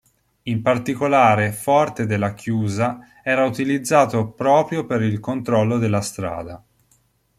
In particolare forte della Chiusa era utilizzato proprio per il controllo della strada.